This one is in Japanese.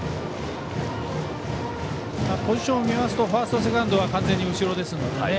ポジションを見ますとファースト、セカンドは完全に後ろですのでね。